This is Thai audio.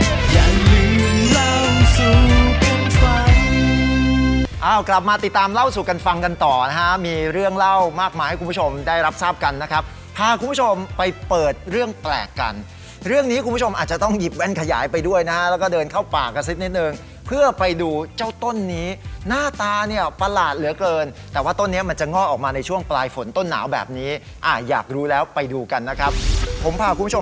อย่าลืมเล่าสู่กันฟังอ้าวกลับมาติดตามเล่าสู่กันฟังกันต่อนะฮะมีเรื่องเล่ามากมาให้คุณผู้ชมได้รับทราบกันนะครับพาคุณผู้ชมไปเปิดเรื่องแปลกกันเรื่องนี้คุณผู้ชมอาจจะต้องหยิบแว่นขยายไปด้วยนะฮะแล้วก็เดินเข้าปากกระซิบนิดหนึ่งเพื่อไปดูเจ้าต้นนี้หน้าตาเนี่ยประหลาดเหลือเกินแต่ว่าต้นนี้ม